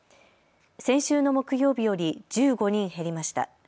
先週の木曜日より１５人減りました。